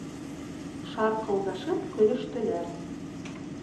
Шарҡылдашып көлөштөләр.